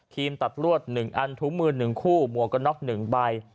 ครีมตัดลวด๑อันถุงมือ๑คู่มวกน็อค๑ใบ